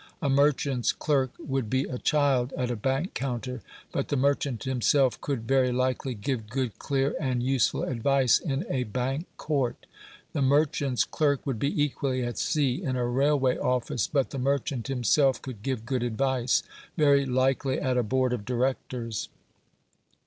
A merchant's clerk would be a child at a bank counter; but the merchant himself could, very likely, give good, clear, and useful advice in a bank court. The merchant's clerk would be equally at sea in a railway office, but the merchant himself could give good advice, very likely, at a board of directors.